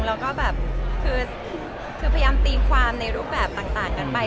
แล้วก็แบบคือพยายามตีความในรูปแบบต่างกันไป